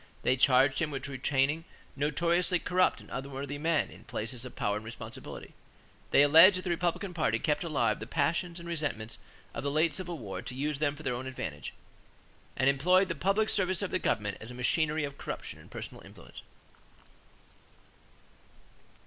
They charged him with retaining "notoriously corrupt and unworthy men in places of power and responsibility." They alleged that the Republican party kept "alive the passions and resentments of the late civil war to use them for their own advantages," and employed the "public service of the government as a machinery of corruption and personal influence."